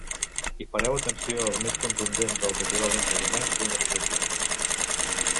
I pareu atenció al més contundent dels equivalents alemanys d'una explosió.